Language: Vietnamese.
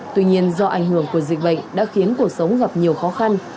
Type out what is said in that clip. tuy nhiên do ảnh hưởng của dịch bệnh đã khiến cuộc sống gặp nhiều khó khăn